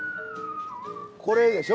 これでしょ？